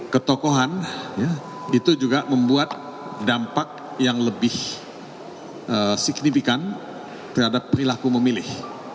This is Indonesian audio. ketokohan itu juga membuat dampak yang lebih signifikan terhadap perilaku memilih